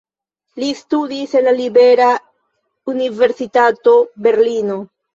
Li studis en la Libera Universitato Berlino.